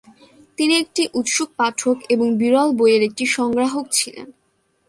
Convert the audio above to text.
তিনি একটি উৎসুক পাঠক এবং বিরল বইয়ের একটি সংগ্রাহক ছিলেন।